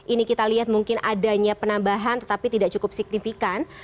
ini kita lihat mungkin adanya penambahan tetapi tidak cukup signifikan